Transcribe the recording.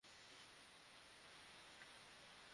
সে সম্প্রচার কেটে দিয়েছে।